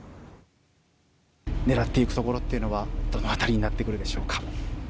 狙っていくところっていうのはどの辺りになっていくでしょうか。